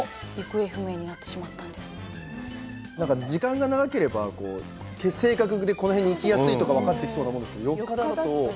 時間が長ければ性格でこの辺に行きやすいとか分かってきそうなものですけど４日だと。